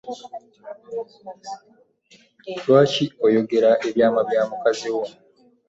Lwaki oyogera ebyaama bya mukazi wo?